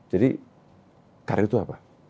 jadi karir itu apa